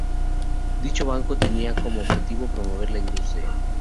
Dicho banco tenía como objeto promover la industria.